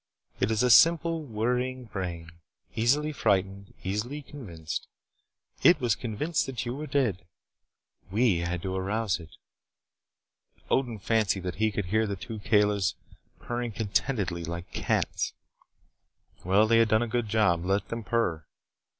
It is a simple, worrying brain. Easily frightened. Easily convinced. It was convinced that you were dead. We had to arouse it." Odin fancied that he could hear the two Kalis purring contentedly like cats. Well, they had done a good job. Let them purr.